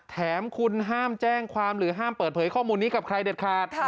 แถมคุณห้ามแจ้งความหรือห้ามเปิดเผยข้อมูลนี้กับใครเด็ดขาด